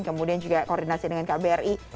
kemudian juga koordinasi dengan kbri